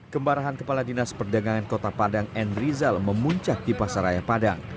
kembarahan kepala dinas perdagangan kota padang n rizal memuncak di pasaraya padang